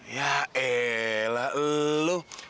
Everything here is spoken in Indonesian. ya elah elo